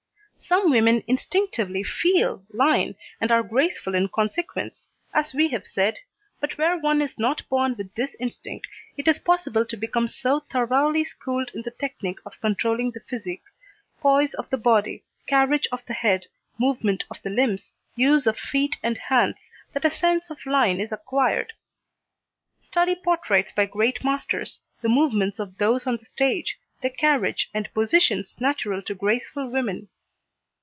Some women instinctively feel line and are graceful in consequence, as we have said, but where one is not born with this instinct, it is possible to become so thoroughly schooled in the technique of controlling the physique poise of the body, carriage of the head, movement of the limbs, use of feet and hands, that a sense of line is acquired. Study portraits by great masters, the movements of those on the stage, the carriage and positions natural to graceful women.